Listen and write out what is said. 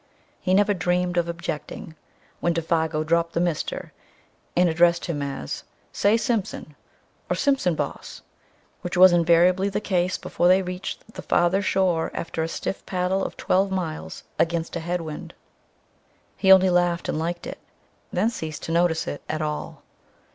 He never dreamed of objecting when Défago dropped the "Mr.," and addressed him as "Say, Simpson," or "Simpson, boss," which was invariably the case before they reached the farther shore after a stiff paddle of twelve miles against a head wind. He only laughed, and liked it; then ceased to notice it at all.